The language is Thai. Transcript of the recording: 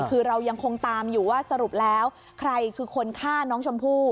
คือเรายังคงตามอยู่ว่าสรุปแล้วใครคือคนฆ่าน้องชมพู่